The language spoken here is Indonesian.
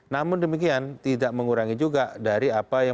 namun demikian tidak mengurangi juga dari apa yang